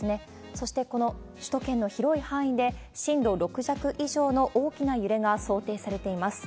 そしてこの首都圏の広い範囲で、震度６弱以上の大きな揺れが想定されています。